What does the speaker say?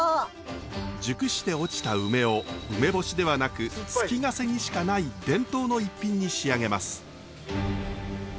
熟して落ちた梅を梅干しではなく月ヶ瀬にしかない伝統の逸品に仕上げます。